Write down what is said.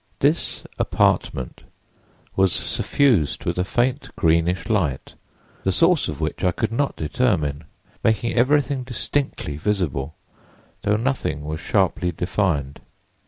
"This apartment was suffused with a faint greenish light, the source of which I could not determine, making everything distinctly visible, though nothing was sharply defined.